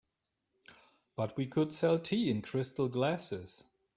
But we could sell tea in crystal glasses.